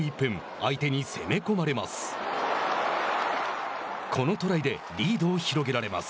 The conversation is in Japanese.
相手に攻め込まれます。